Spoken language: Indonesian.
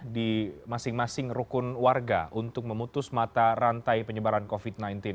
di masing masing rukun warga untuk memutus mata rantai penyebaran covid sembilan belas